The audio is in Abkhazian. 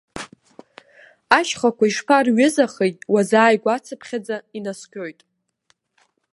Ашьхақәа ишԥарҩызахеи, уазааигәахацыԥхьаӡа инаскьоит.